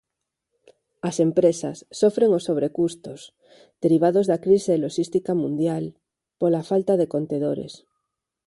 As empresas sofren os sobrecustos derivados da crise loxística mundial pola falta de contedores.